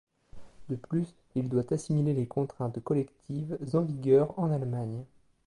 De plus, il doit assimiler les contraintes collectives en vigueur en Allemagne.